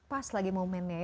pas lagi momennya ya